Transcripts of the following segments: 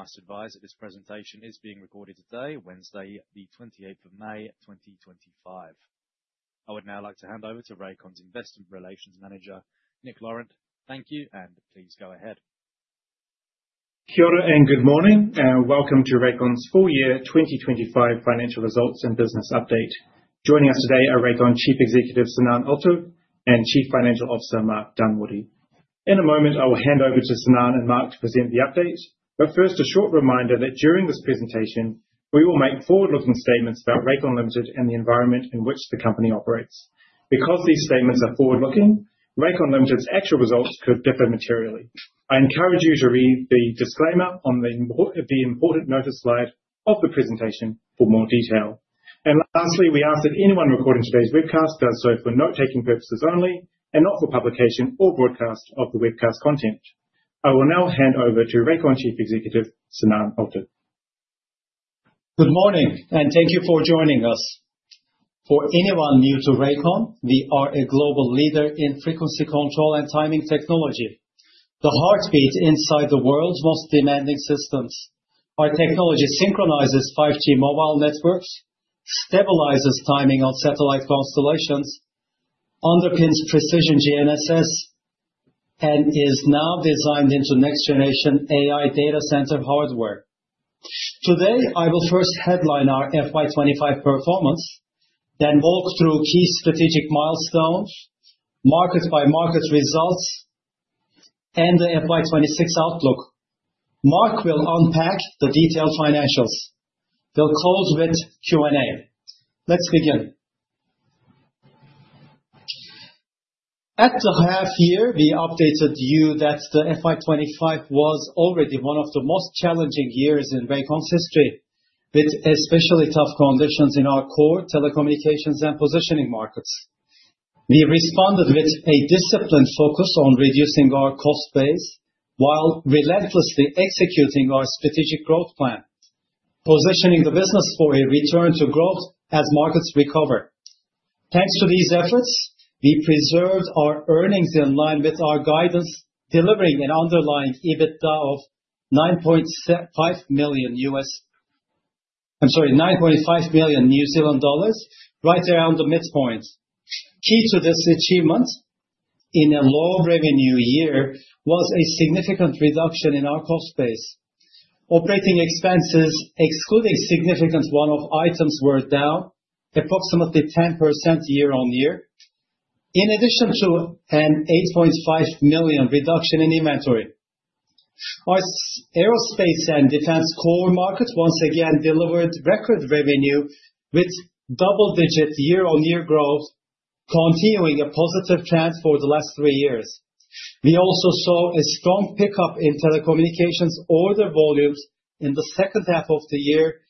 I must advise that this presentation is being recorded today, Wednesday, the 28th of May, 2025. I would now like to hand over to Rakon's Investment Relations Manager, Nick Laurent. Thank you, and please go ahead. Thank you and good morning, and welcome to Rakon's full year 2025 financial results and business update. Joining us today are Rakon Chief Executive Sinan Altug and Chief Financial Officer Mark Dunwoodie. In a moment, I will hand over to Sinan and Mark to present the update, but first, a short reminder that during this presentation, we will make forward-looking statements about Rakon Limited and the environment in which the company operates. Because these statements are forward-looking, Rakon Limited's actual results could differ materially. I encourage you to read the disclaimer on the important notice slide of the presentation for more detail. Lastly, we ask that anyone recording today's webcast does so for note-taking purposes only and not for publication or broadcast of the webcast content. I will now hand over to Rakon Chief Executive Sinan Altug. Good morning, and thank you for joining us. For anyone new to Rakon, we are a global leader in frequency control and timing technology, the heartbeat inside the world's most demanding systems. Our technology synchronizes 5G mobile networks, stabilizes timing on satellite constellations, underpins precision GNSS, and is now designed into next-generation AI data center hardware. Today, I will first headline our FY 2025 performance, then walk through key strategic milestones, market-by-market results, and the FY 2026 outlook. Mark will unpack the detailed financials. We'll close with Q&A. Let's begin. At the half-year, we updated you that the FY 2025 was already one of the most challenging years in Rakon's history, with especially tough conditions in our core, telecommunications, and positioning markets. We responded with a disciplined focus on reducing our cost base while relentlessly executing our strategic growth plan, positioning the business for a return to growth as markets recover. Thanks to these efforts, we preserved our earnings in line with our guidance, delivering an underlying EBITDA of 9.5 million—I'm sorry, 9.5 million, right around the midpoint. Key to this achievement, in a low revenue year, was a significant reduction in our cost base. Operating expenses, excluding significant one-off items, were down approximately 10% year-on-year, in addition to an 8.5 million reduction in inventory. Our aerospace and defense core markets once again delivered record revenue with double-digit year-on-year growth, continuing a positive trend for the last three years. We also saw a strong pickup in telecommunications order volumes in the second half of the year,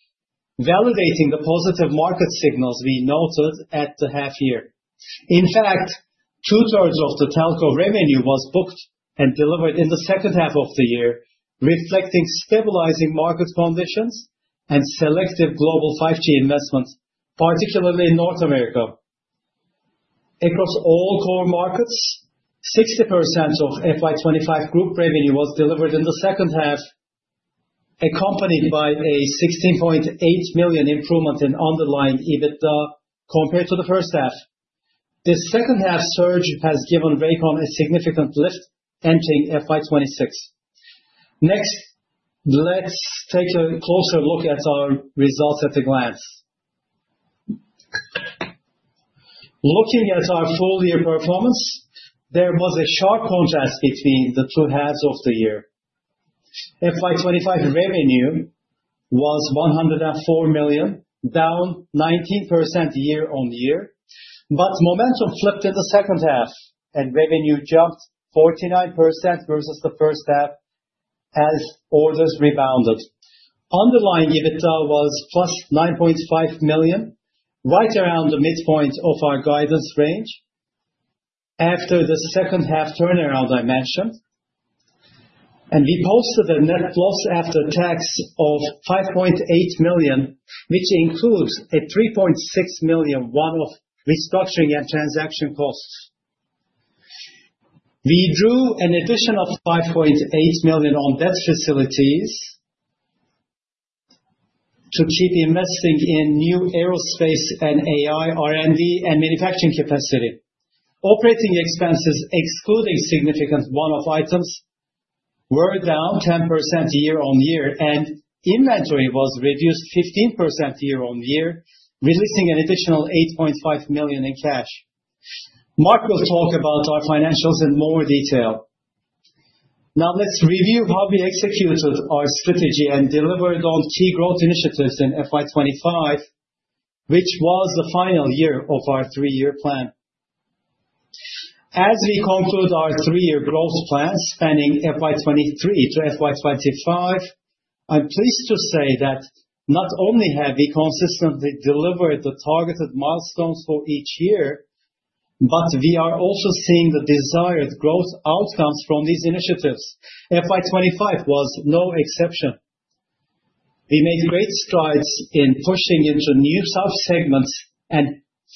validating the positive market signals we noted at the half-year. In fact, two-thirds of the telco revenue was booked and delivered in the second half of the year, reflecting stabilizing market conditions and selective global 5G investments, particularly in North America. Across all core markets, 60% of FY 2025 group revenue was delivered in the second half, accompanied by a 16.8 million improvement in underlying EBITDA compared to the first half. This second-half surge has given Rakon a significant lift entering FY 2026. Next, let's take a closer look at our results at a glance. Looking at our full-year performance, there was a sharp contrast between the two halves of the year. FY 2025 revenue was 104 million, down 19% year-on-year, but momentum flipped in the second half, and revenue jumped 49% versus the first half as orders rebounded. Underlying EBITDA was 9.5 million, right around the midpoint of our guidance range after the second-half turnaround I mentioned. We posted a net profit after tax of 5.8 million, which includes 3.6 million one-off restructuring and transaction costs. We drew an additional 5.8 million on debt facilities to keep investing in new aerospace and AI R&D and manufacturing capacity. Operating expenses, excluding significant one-off items, were down 10% year-on-year, and inventory was reduced 15% year-on-year, releasing an additional 8.5 million in cash. Mark will talk about our financials in more detail. Now, let's review how we executed our strategy and delivered on key growth initiatives in FY 2025, which was the final year of our three-year plan. As we conclude our three-year growth plan spanning FY 2023 to FY 2025, I'm pleased to say that not only have we consistently delivered the targeted milestones for each year, but we are also seeing the desired growth outcomes from these initiatives. FY 2025 was no exception. We made great strides in pushing into new subsegments and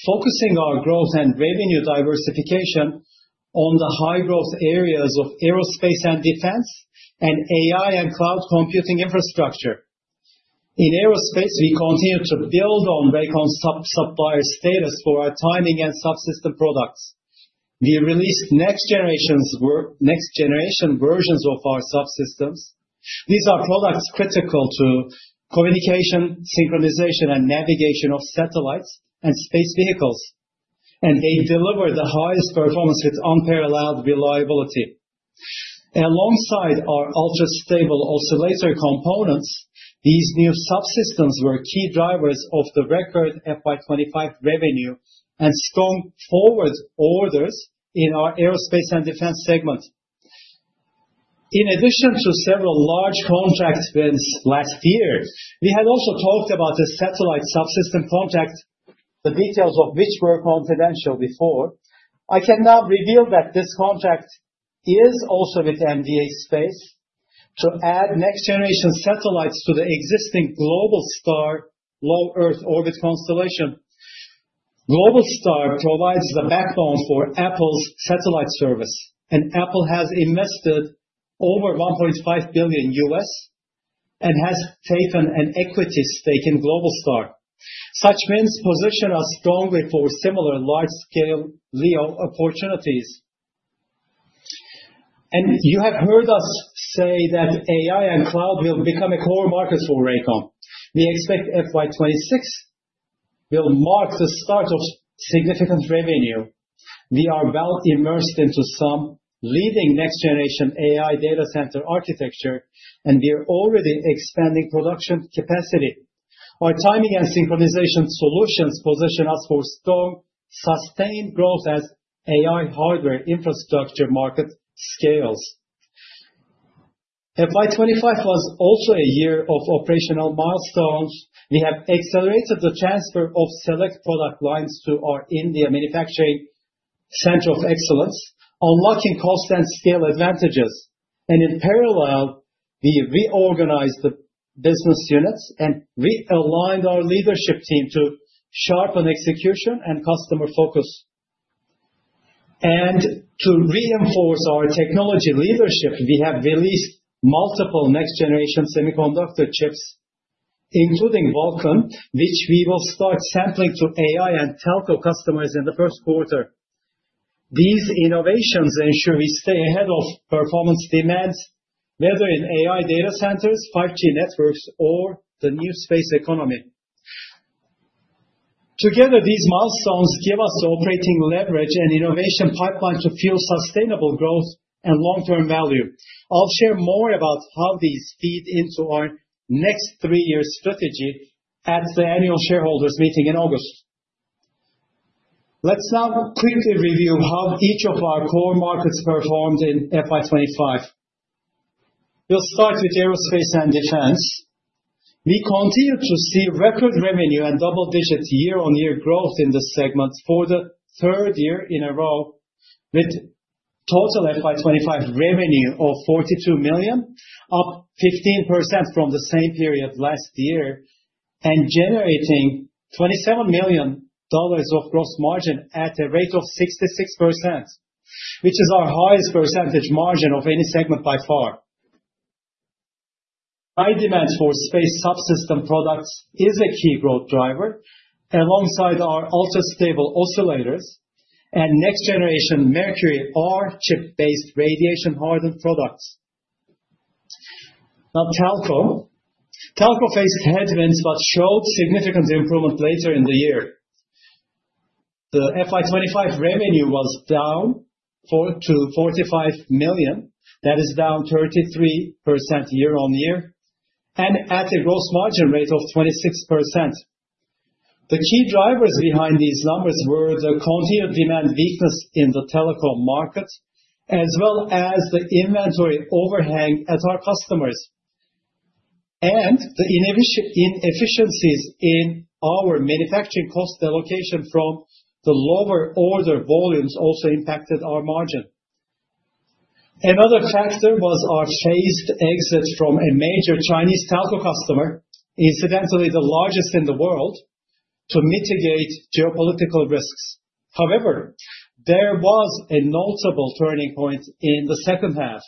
focusing our growth and revenue diversification on the high-growth areas of aerospace and defense and AI and cloud computing infrastructure. In aerospace, we continue to build on Rakon's top supplier status for our timing and subsystem products. We released next-generation versions of our subsystems. These are products critical to communication, synchronization, and navigation of satellites and space vehicles, and they deliver the highest performance with unparalleled reliability. Alongside our ultra-stable oscillator components, these new subsystems were key drivers of the record FY 2025 revenue and strong forward orders in our aerospace and defense segment. In addition to several large contracts last year, we had also talked about a satellite subsystem contract, the details of which were confidential before. I can now reveal that this contract is also with MDA Space to add next-generation satellites to the existing Globalstar low Earth orbit constellation. Globalstar provides the backbone for Apple's satellite service, and Apple has invested over $1.5 billion and has taken an equity stake in Globalstar. Such means position us strongly for similar large-scale LEO opportunities. You have heard us say that AI and cloud will become a core market for Rakon. We expect FY 2026 will mark the start of significant revenue. We are well immersed into some leading next-generation AI data center architecture, and we are already expanding production capacity. Our timing and synchronization solutions position us for strong, sustained growth as the AI hardware infrastructure market scales. FY 2025 was also a year of operational milestones. We have accelerated the transfer of select product lines to our India manufacturing center of excellence, unlocking cost and scale advantages. In parallel, we reorganized the business units and realigned our leadership team to sharpen execution and customer focus. To reinforce our technology leadership, we have released multiple next-generation semiconductor chips, including Vulkan, which we will start sampling to AI and telco customers in the first quarter. These innovations ensure we stay ahead of performance demands, whether in AI data centers, 5G networks, or the new space economy. Together, these milestones give us operating leverage and innovation pipeline to fuel sustainable growth and long-term value. I'll share more about how these feed into our next three-year strategy at the annual shareholders meeting in August. Let's now quickly review how each of our core markets performed in FY 2025. We'll start with aerospace and defense. We continue to see record revenue and double-digit year-on-year growth in the segment for the third year in a row, with total FY 2025 revenue of 42 million, up 15% from the same period last year, and generating 27 million dollars of gross margin at a rate of 66%, which is our highest percentage margin of any segment by far. High demand for space subsystem products is a key growth driver, alongside our ultra-stable oscillators and next-generation Mercury R chip-based radiation-hardened products. Now, Telco. Telco faced headwinds but showed significant improvement later in the year. The FY 2025 revenue was down to 45 million. That is down 33% year-on-year and at a gross margin rate of 26%. The key drivers behind these numbers were the continued demand weakness in the telecom market, as well as the inventory overhang at our customers, and the inefficiencies in our manufacturing cost allocation from the lower order volumes also impacted our margin. Another factor was our phased exit from a major Chinese telco customer, incidentally the largest in the world, to mitigate geopolitical risks. However, there was a notable turning point in the second half,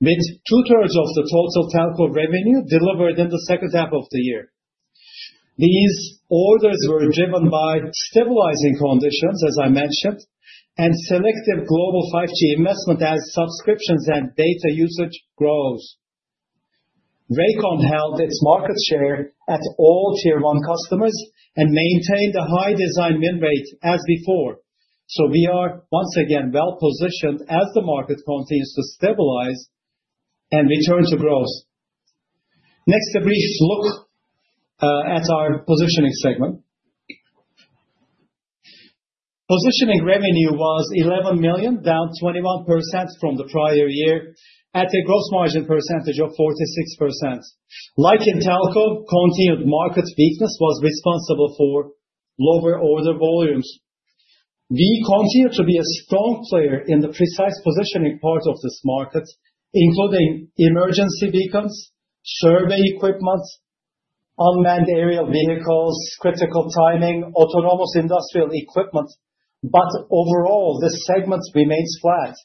with two-thirds of the total telco revenue delivered in the second half of the year. These orders were driven by stabilizing conditions, as I mentioned, and selective global 5G investment as subscriptions and data usage grows. Rakon held its market share at all tier-one customers and maintained a high design win rate as before. We are once again well positioned as the market continues to stabilize and return to growth. Next, a brief look at our positioning segment. Positioning revenue was 11 million, down 21% from the prior year, at a gross margin percentage of 46%. Like in telco, continued market weakness was responsible for lower order volumes. We continue to be a strong player in the precise positioning part of this market, including emergency beacons, survey equipment, unmanned aerial vehicles, critical timing, autonomous industrial equipment, but overall, the segments remained flat,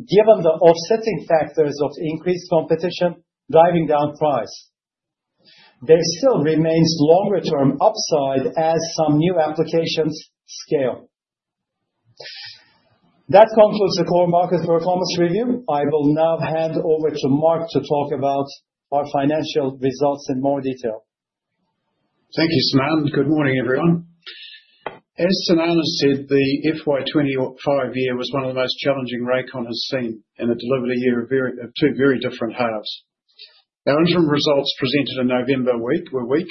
given the offsetting factors of increased competition driving down price. There still remains longer-term upside as some new applications scale. That concludes the core market performance review. I will now hand over to Mark to talk about our financial results in more detail. Thank you, Sinan. Good morning, everyone. As Sinan has said, the FY 2025 year was one of the most challenging Rakon has seen in the delivery year of two very different halves. Our interim results presented a November week or week,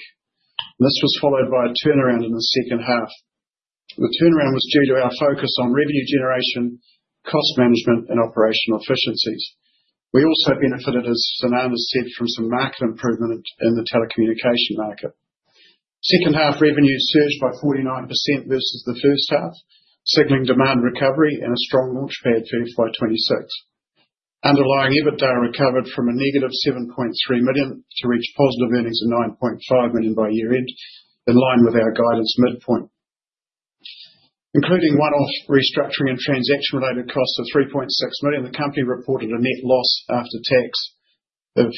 and this was followed by a turnaround in the second half. The turnaround was due to our focus on revenue generation, cost management, and operational efficiencies. We also benefited, as Sinan has said, from some market improvement in the telecommunication market. Second-half revenue surged by 49% versus the first half, signaling demand recovery and a strong launch pad for FY 2026. Underlying EBITDA recovered from a negative 7.3 million to reach positive earnings of 9.5 million by year-end, in line with our guidance midpoint. Including one-off restructuring and transaction-related costs of 3.6 million, the company reported a net loss after tax of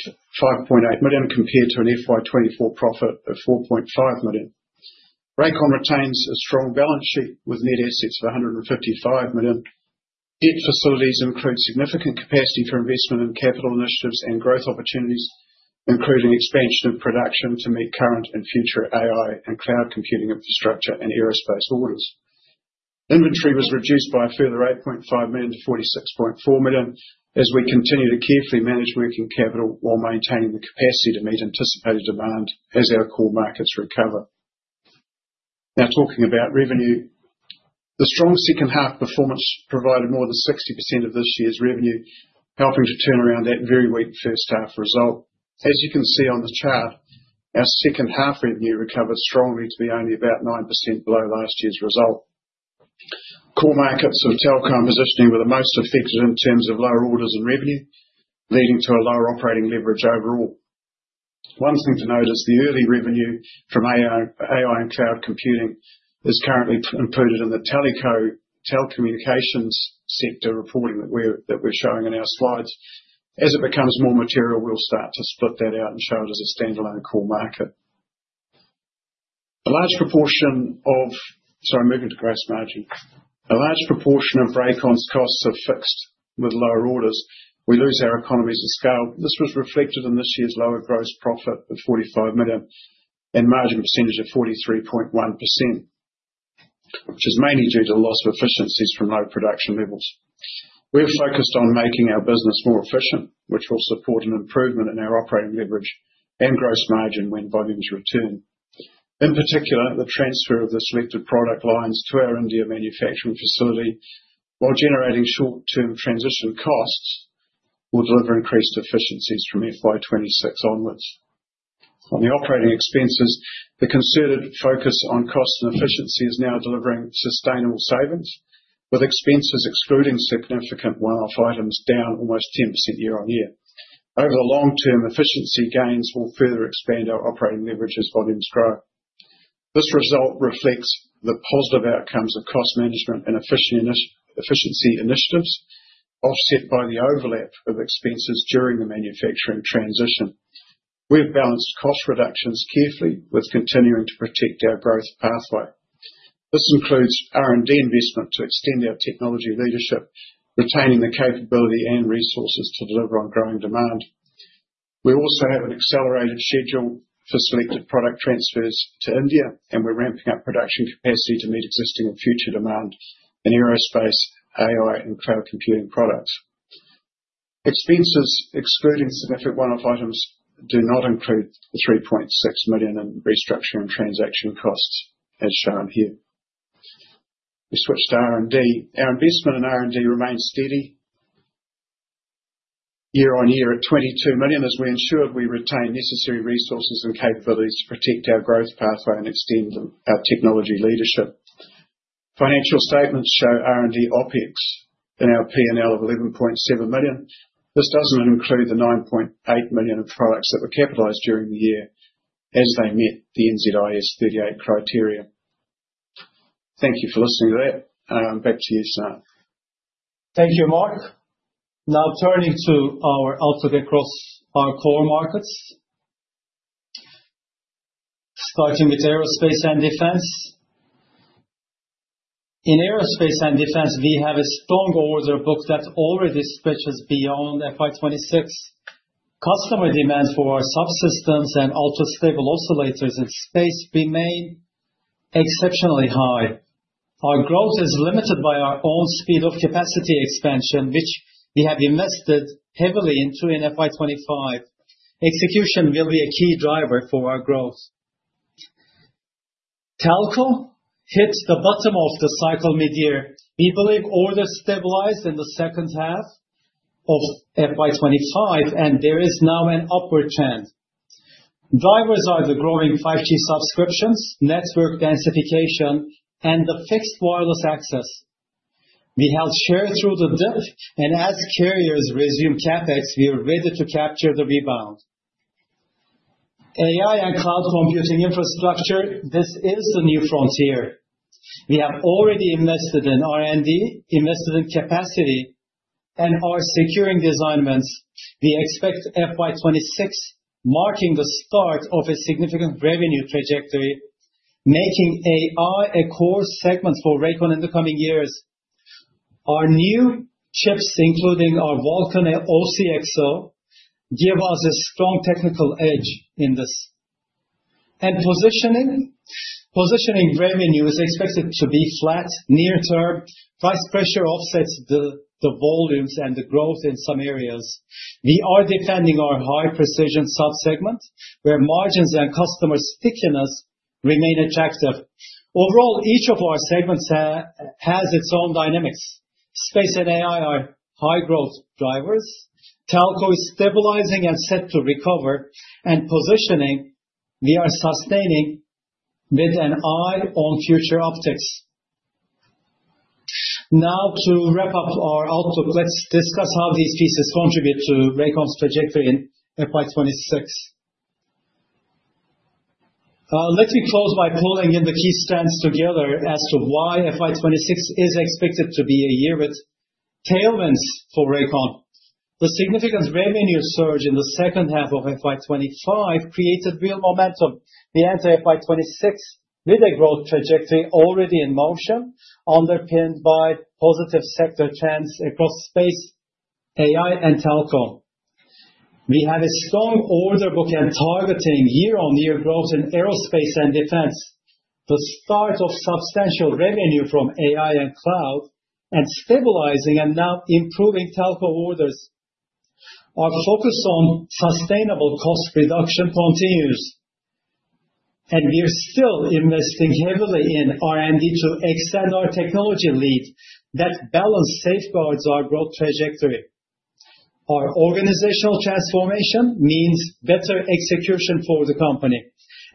5.8 million compared to an FY 2024 profit of 4.5 million. Rakon retains a strong balance sheet with net assets of 155 million. Debt facilities include significant capacity for investment and capital initiatives and growth opportunities, including expansion of production to meet current and future AI and cloud computing infrastructure and aerospace orders. Inventory was reduced by a further 8.5 million to 46.4 million as we continue to carefully manage working capital while maintaining the capacity to meet anticipated demand as our core markets recover. Now, talking about revenue, the strong second-half performance provided more than 60% of this year's revenue, helping to turn around that very weak first-half result. As you can see on the chart, our second-half revenue recovered strongly to be only about 9% below last year's result. Core markets of telecom positioning were the most affected in terms of lower orders and revenue, leading to a lower operating leverage overall. One thing to note is the early revenue from AI and cloud computing is currently imputed in the telecommunications sector reporting that we're showing in our slides. As it becomes more material, we'll start to split that out and show it as a standalone core market. A large proportion of—sorry, moving to gross margin. A large proportion of Rakon's costs are fixed with lower orders. We lose our economies of scale. This was reflected in this year's lower gross profit of 45 million and margin percentage of 43.1%, which is mainly due to loss of efficiencies from low production levels. We're focused on making our business more efficient, which will support an improvement in our operating leverage and gross margin when volumes return. In particular, the transfer of the selected product lines to our India manufacturing facility, while generating short-term transition costs, will deliver increased efficiencies from FY 2026 onwards. On the operating expenses, the concerted focus on cost and efficiency is now delivering sustainable savings, with expenses excluding significant one-off items down almost 10% year-on-year. Over the long term, efficiency gains will further expand our operating leverage as volumes grow. This result reflects the positive outcomes of cost management and efficiency initiatives, offset by the overlap of expenses during the manufacturing transition. We've balanced cost reductions carefully with continuing to protect our growth pathway. This includes R&D investment to extend our technology leadership, retaining the capability and resources to deliver on growing demand. We also have an accelerated schedule for selected product transfers to India, and we're ramping up production capacity to meet existing and future demand in aerospace, AI, and cloud computing products. Expenses excluding significant one-off items do not include the 3.6 million in restructuring transaction costs, as shown here. We switched to R&D. Our investment in R&D remains steady year-on-year at 22 million as we ensured we retain necessary resources and capabilities to protect our growth pathway and extend our technology leadership. Financial statements show R&D OpEx in our P&L of 11.7 million. This does not include the 9.8 million of products that were capitalized during the year as they met the NZIAS 38 criteria. Thank you for listening to that. Back to you, Sinan. Thank you, Mark. Now, turning to our outlook across our core markets, starting with aerospace and defense. In aerospace and defense, we have a strong order book that already stretches beyond FY 2026. Customer demand for our subsystems and ultra-stable oscillators in space remains exceptionally high. Our growth is limited by our own speed of capacity expansion, which we have invested heavily into in FY 2025. Execution will be a key driver for our growth. Telco hit the bottom of the cycle mid-year. We believe orders stabilized in the second half of FY 2025, and there is now an upward trend. Drivers are the growing 5G subscriptions, network densification, and the fixed wireless access. We held share through the dip, and as carriers resume CapEx, we are ready to capture the rebound. AI and cloud computing infrastructure, this is the new frontier. We have already invested in R&D, invested in capacity, and are securing these elements. We expect FY 2026 marking the start of a significant revenue trajectory, making AI a core segment for Rakon in the coming years. Our new chips, including our Vulkan OCXO, give us a strong technical edge in this. And positioning, positioning revenue is expected to be flat near-term. Price pressure offsets the volumes and the growth in some areas. We are defending our high-precision subsegment, where margins and customer stickiness remain attractive. Overall, each of our segments has its own dynamics. Space and AI are high-growth drivers. Telco is stabilizing and set to recover, and positioning, we are sustaining with an eye on future optics. Now, to wrap up our outlook, let's discuss how these pieces contribute to Rakon's trajectory in FY 2026. Let me close by pulling in the key strands together as to why FY 2026 is expected to be a year with tailwinds for Rakon. The significant revenue surge in the second half of FY 2025 created real momentum. We enter FY 2026 with a growth trajectory already in motion, underpinned by positive sector trends across space, AI, and telco. We have a strong order book and targeting year-on-year growth in aerospace and defense, the start of substantial revenue from AI and cloud, and stabilizing and now improving telco orders. Our focus on sustainable cost reduction continues, and we are still investing heavily in R&D to extend our technology lead. That balance safeguards our growth trajectory. Our organizational transformation means better execution for the company.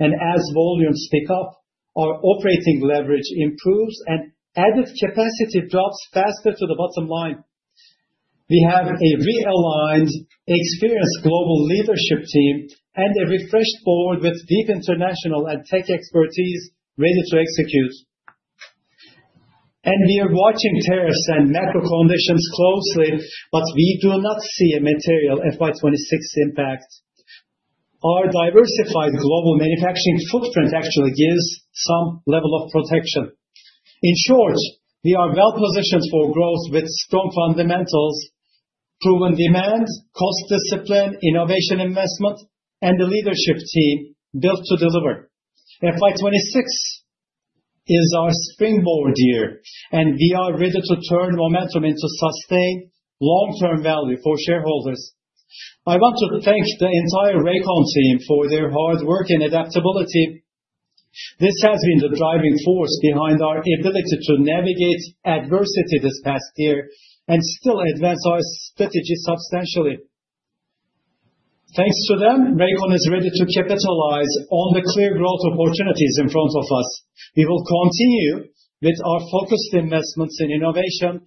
As volumes speak up, our operating leverage improves and added capacity drops faster to the bottom line. We have a realigned, experienced global leadership team and a refreshed board with deep international and tech expertise ready to execute. We are watching tariffs and macro conditions closely, but we do not see a material FY 2026 impact. Our diversified global manufacturing footprint actually gives some level of protection. In short, we are well positioned for growth with strong fundamentals, proven demand, cost discipline, innovation investment, and a leadership team built to deliver. FY 2026 is our springboard year, and we are ready to turn momentum into sustained long-term value for shareholders. I want to thank the entire Rakon team for their hard work and adaptability. This has been the driving force behind our ability to navigate adversity this past year and still advance our strategy substantially. Thanks to them, Rakon is ready to capitalize on the clear growth opportunities in front of us. We will continue with our focused investments in innovation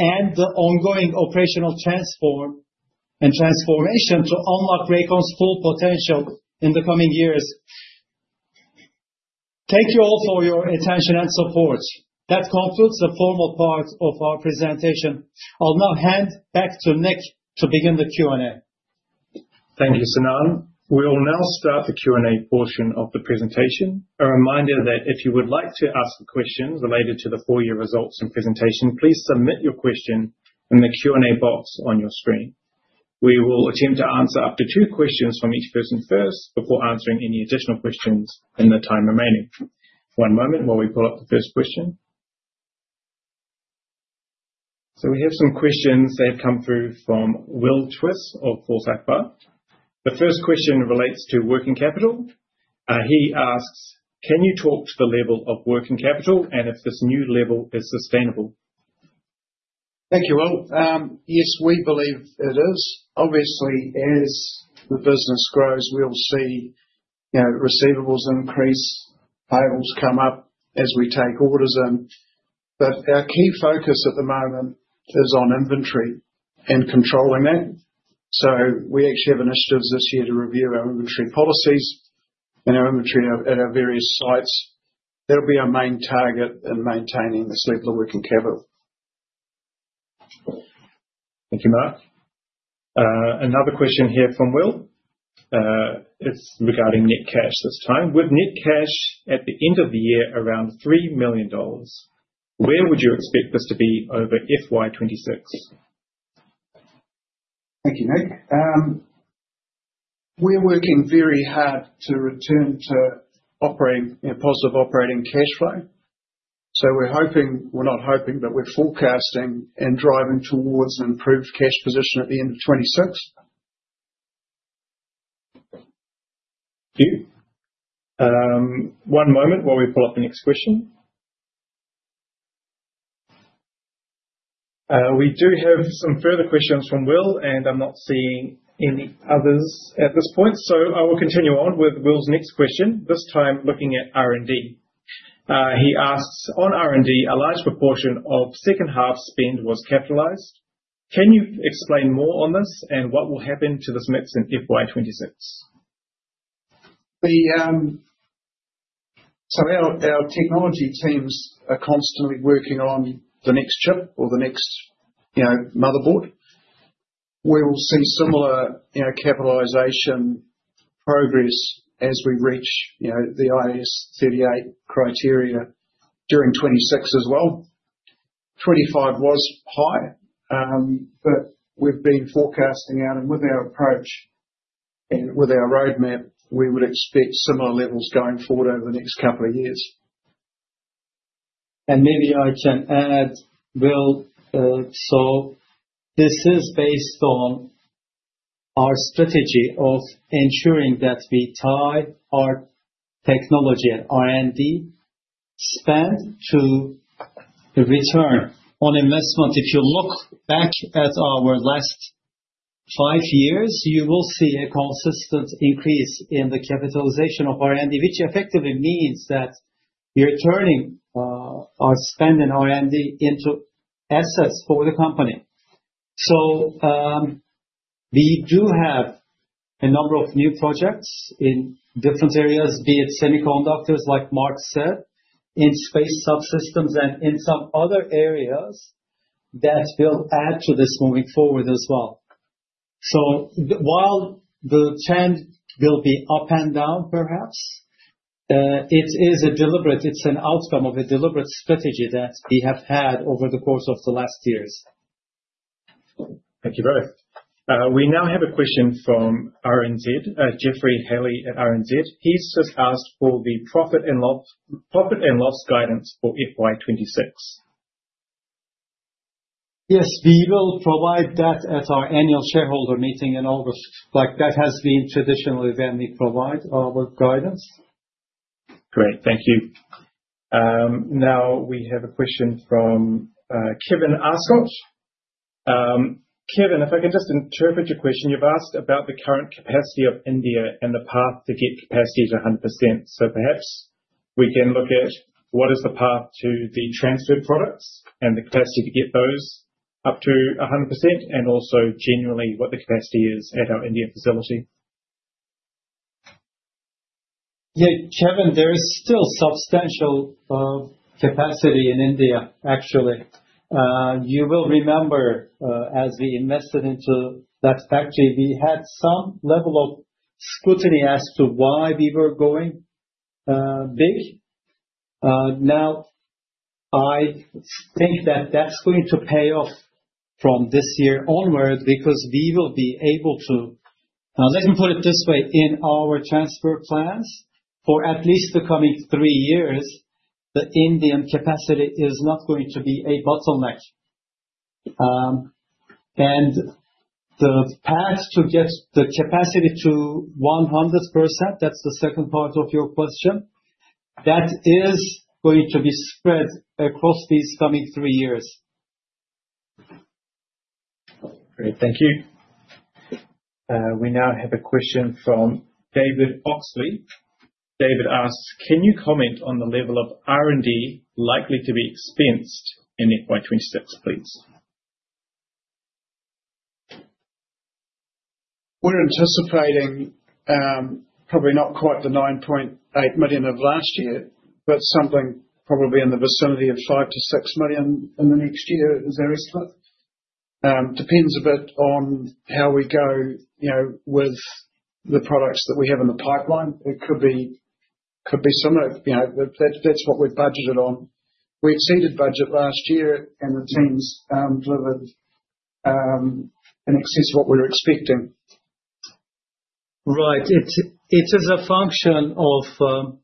and the ongoing operational transformation to unlock Rakon's full potential in the coming years. Thank you all for your attention and support. That concludes the formal part of our presentation. I'll now hand back to Nick to begin the Q&A. Thank you, Sinan. We will now start the Q&A portion of the presentation. A reminder that if you would like to ask a question related to the four-year results and presentation, please submit your question in the Q&A box on your screen. We will attempt to answer up to two questions from each person first before answering any additional questions in the time remaining. One moment while we pull up the first question. We have some questions. They have come through from Will Twist of Force Akbar. The first question relates to working capital. He asks, "Can you talk to the level of working capital and if this new level is sustainable?" Thank you, Will. Yes, we believe it is. Obviously, as the business grows, we will see receivables increase, payables come up as we take orders in. Our key focus at the moment is on inventory and controlling that. We actually have initiatives this year to review our inventory policies and our inventory at our various sites. That will be our main target in maintaining this level of working capital. Thank you, Mark. Another question here from Will. It's regarding net cash this time. With net cash at the end of the year around $3 million, where would you expect this to be over FY 2026? Thank you, Nick. We're working very hard to return to positive operating cash flow. We're forecasting and driving towards an improved cash position at the end of 2026. Thank you. One moment while we pull up the next question. We do have some further questions from Will, and I'm not seeing any others at this point. I will continue on with Will's next question, this time looking at R&D. He asks, "On R&D, a large proportion of second-half spend was capitalized. Can you explain more on this and what will happen to this mix in FY 2026?" Sorry, our technology teams are constantly working on the next chip or the next motherboard. We will see similar capitalization progress as we reach the NZIAS 38 criteria during 2026 as well. 2025 was high, but we've been forecasting out, and with our approach and with our roadmap, we would expect similar levels going forward over the next couple of years. Maybe I can add, Will, this is based on our strategy of ensuring that we tie our technology and R&D spend to the return on investment. If you look back at our last five years, you will see a consistent increase in the capitalization of R&D, which effectively means that we are turning our spend and R&D into assets for the company. We do have a number of new projects in different areas, be it semiconductors, like Mark said, in space subsystems, and in some other areas that will add to this moving forward as well. While the trend will be up and down, perhaps, it is a deliberate—it's an outcome of a deliberate strategy that we have had over the course of the last years. Thank you both. We now have a question from R&Z, Jeffrey Haley at R&Z. He's just asked for the profit and loss guidance for FY 2026. Yes, we will provide that at our annual shareholder meeting in August. That has been traditionally when we provide our guidance. Great. Thank you. Now, we have a question from Kevin Ascot. Kevin, if I can just interpret your question, you've asked about the current capacity of India and the path to get capacity to 100%. Perhaps we can look at what is the path to the transferred products and the capacity to get those up to 100%, and also generally what the capacity is at our India facility. Yeah, Kevin, there is still substantial capacity in India, actually. You will remember, as we invested into that factory, we had some level of scrutiny as to why we were going big. I think that that's going to pay off from this year onward because we will be able to—let me put it this way—in our transfer plans for at least the coming three years, the Indian capacity is not going to be a bottleneck. The path to get the capacity to 100%, that's the second part of your question, that is going to be spread across these coming three years. Great. Thank you. We now have a question from David Oxley. David asks, "Can you comment on the level of R&D likely to be expensed in FY 2026, please?" We're anticipating probably not quite the 9.8 million of last year, but something probably in the vicinity of 5-6 million in the next year, as there is to it. Depends a bit on how we go with the products that we have in the pipeline. It could be similar. That's what we've budgeted on. We exceeded budget last year, and the teams delivered in excess of what we were expecting. Right. It is a function of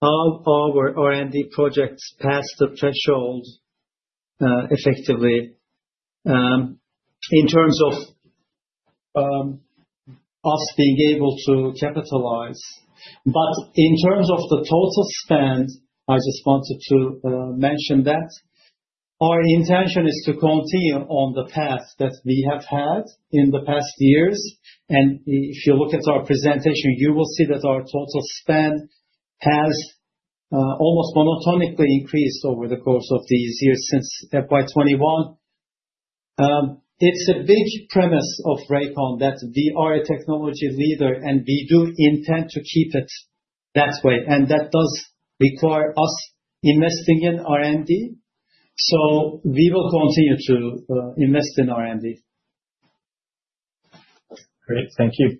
how our R&D projects pass the threshold effectively in terms of us being able to capitalize. In terms of the total spend, I just wanted to mention that our intention is to continue on the path that we have had in the past years. If you look at our presentation, you will see that our total spend has almost monotonically increased over the course of these years since FY 2021. It is a big premise of Rakon that we are a technology leader, and we do intend to keep it that way. That does require us investing in R&D. We will continue to invest in R&D. Great. Thank you.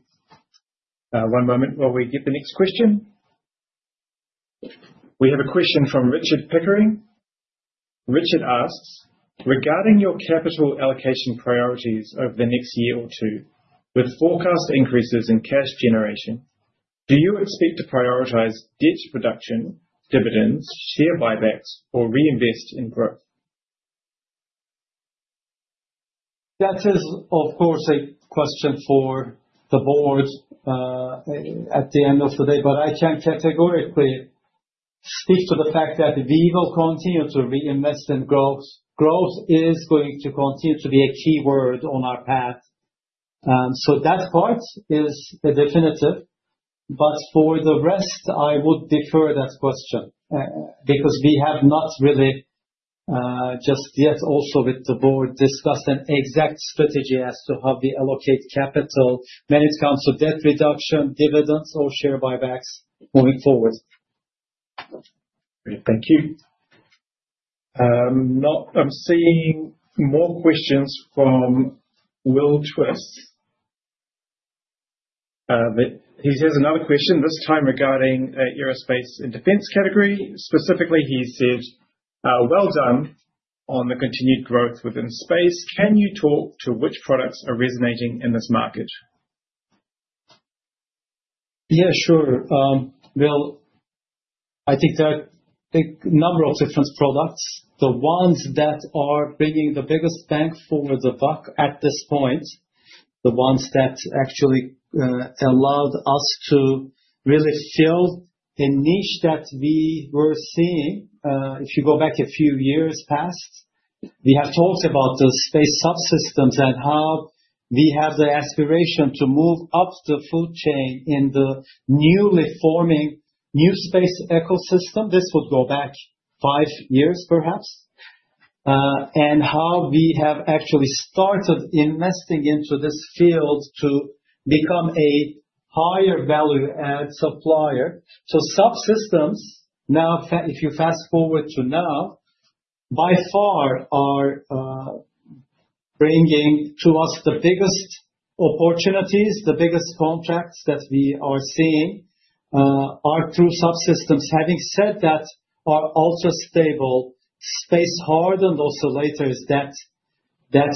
One moment while we get the next question. We have a question from Richard Peccary. Richard asks, "Regarding your capital allocation priorities over the next year or two, with forecast increases in cash generation, do you expect to prioritize ditch production, dividends, share buybacks, or reinvest in growth?" That is, of course, a question for the board at the end of the day, but I can categorically speak to the fact that we will continue to reinvest in growth. Growth is going to continue to be a key word on our path. That part is definitive. For the rest, I would defer that question because we have not really just yet also with the board discussed an exact strategy as to how we allocate capital, when it comes to debt reduction, dividends, or share buybacks moving forward. Great. Thank you. I'm seeing more questions from Will Twist. He has another question, this time regarding aerospace and defense category. Specifically, he said, "Well done on the continued growth within space. Can you talk to which products are resonating in this market?" Yeah, sure. I think there are a big number of different products. The ones that are bringing the biggest bang for the buck at this point, the ones that actually allowed us to really fill the niche that we were seeing. If you go back a few years past, we have talked about the space subsystems and how we have the aspiration to move up the food chain in the newly forming new space ecosystem. This would go back five years, perhaps. And how we have actually started investing into this field to become a higher value-add supplier. Subsystems, now, if you fast forward to now, by far are bringing to us the biggest opportunities, the biggest contracts that we are seeing are through subsystems. Having said that, our ultra-stable space hardened oscillators that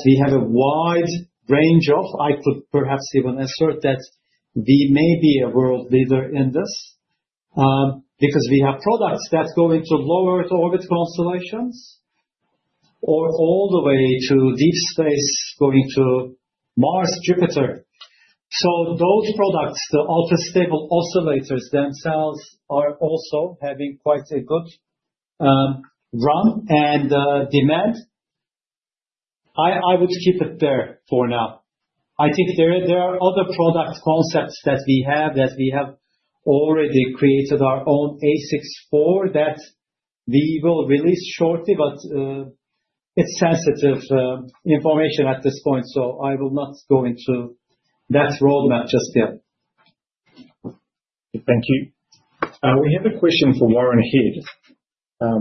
we have a wide range of, I could perhaps even assert that we may be a world leader in this because we have products that go into low Earth orbit constellations or all the way to deep space, going to Mars, Jupiter. Those products, the ultra-stable oscillators themselves, are also having quite a good run and demand. I would keep it there for now. I think there are other product concepts that we have that we have already created, our own A64, that we will release shortly, but it's sensitive information at this point. I will not go into that roadmap just yet. Thank you. We have a question for Warren Head.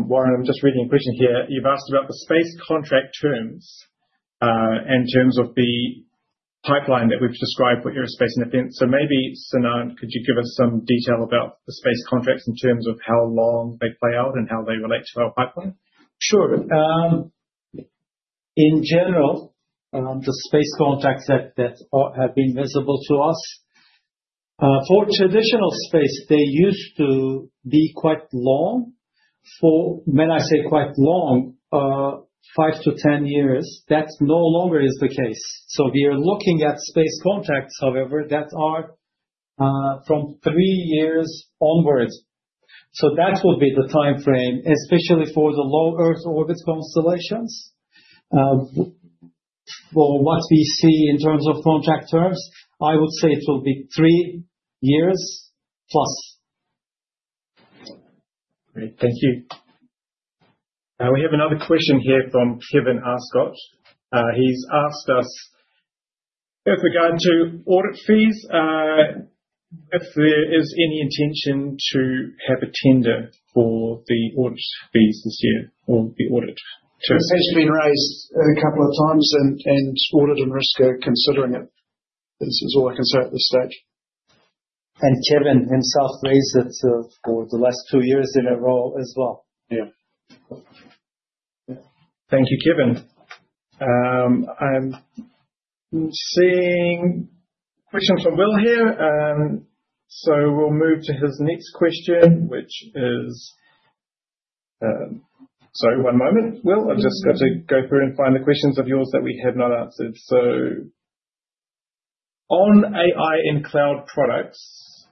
Warren, I'm just reading a question here. You've asked about the space contract terms in terms of the pipeline that we've described for aerospace and defense. Maybe, Sinan, could you give us some detail about the space contracts in terms of how long they play out and how they relate to our pipeline? Sure. In general, the space contracts that have been visible to us, for traditional space, they used to be quite long. When I say quite long, five to 10 years, that no longer is the case. We are looking at space contracts, however, that are from three years onward. That would be the time frame, especially for the low Earth orbit constellations. For what we see in terms of contract terms, I would say it will be three years plus. Great. Thank you. We have another question here from Kevin Ascot. He has asked us, with regard to audit fees, if there is any intention to have a tender for the audit fees this year or the audit terms. It has been raised a couple of times, and audit and risk are considering it. This is all I can say at this stage. Kevin himself raised it for the last two years in a row as well. thank you, Kevin. I am seeing a question from Will here. We will move to his next question, which is—sorry, one moment, Will. I have just got to go through and find the questions of yours that we have not answered. On AI and cloud products,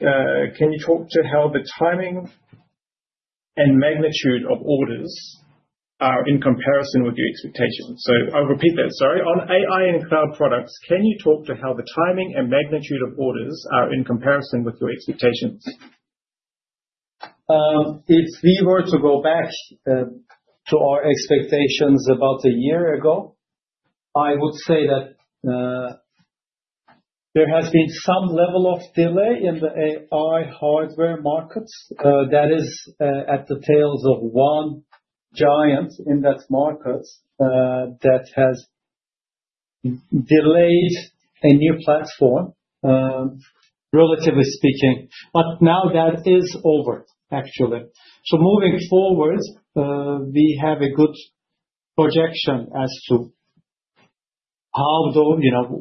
can you talk to how the timing and magnitude of orders are in comparison with your expectations? I will repeat that, sorry. On AI and cloud products, can you talk to how the timing and magnitude of orders are in comparison with your expectations? If we were to go back to our expectations about a year ago, I would say that there has been some level of delay in the AI hardware markets. That is at the tails of one giant in that market that has delayed a new platform, relatively speaking. Now that is over, actually. Moving forward, we have a good projection as to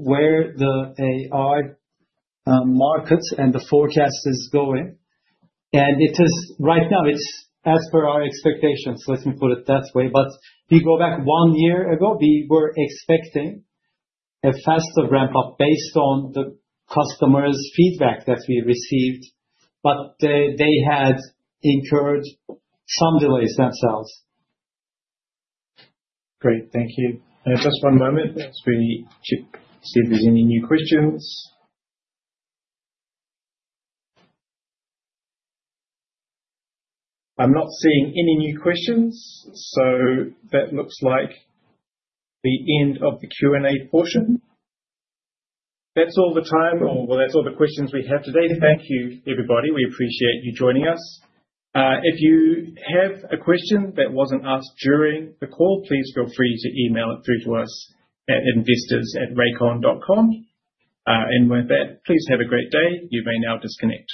where the AI markets and the forecast is going. Right now, it's as per our expectations, let me put it that way. If you go back one year ago, we were expecting a faster ramp-up based on the customers' feedback that we received, but they had incurred some delays themselves. Great. Thank you. Just one moment. Let's see if there's any new questions. I'm not seeing any new questions. That looks like the end of the Q&A portion. That's all the time, or that's all the questions we have today. Thank you, everybody. We appreciate you joining us. If you have a question that wasn't asked during the call, please feel free to email it through to us at investors@rakon.com. With that, please have a great day. You may now disconnect.